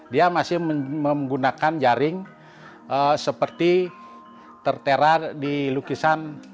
dia masih menggunakan jaring seperti tertera di lukisan